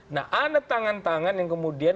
nah ada tangan tangan yang kemudian